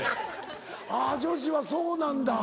あぁ女子はそうなんだ。